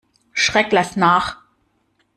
Schreck lass nach!